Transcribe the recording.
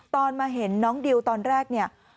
ตอนมาเห็นน้องดิวตอนแรกเนี่ย